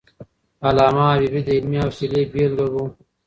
علامه حبيبي د علمي حوصلي بېلګه وو.